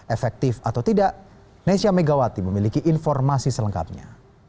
efektif atau tidak nesya megawati memiliki informasi selengkapnya